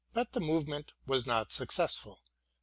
But the movement was not successful.